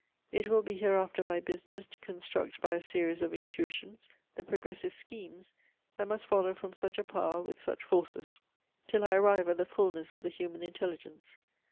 It will be hereafter my business to construct by a series of intuitions the progressive schemes, that must follow from such a power with such forces, till I arrive at the fulness of the human intelligence.